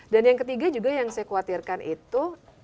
dan yang ketiga juga yang saya khawatirkan itu